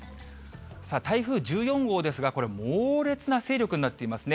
台風１４号ですが、これ、猛烈な勢力になっていますね。